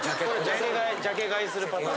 ジャケ買いするパターン。